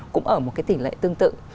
cũng ở một cái tỷ lệ tương tự